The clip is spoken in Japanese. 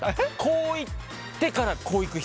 こういってからこういく人。